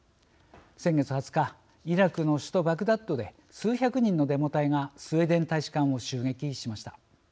先月２０日イラクの首都バグダッドで数百人のデモ隊がスウェーデン大使館を襲撃しました。